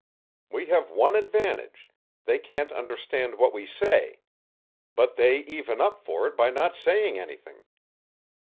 We have one advantage they can't understand what we say, but they even up for it by not saying anything."